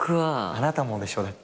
あなたもでしょ？だって。